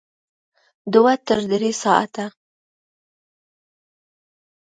دوه تر درې ساعته